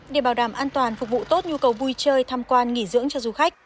để bảo đảm an toàn phục vụ tốt nhu cầu vui chơi tham quan nghỉ dưỡng cho du khách